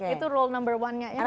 itu role number one nya